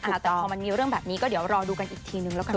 แต่พอมันมีเรื่องแบบนี้ก็เดี๋ยวรอดูกันอีกทีนึงแล้วกัน